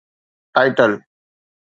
title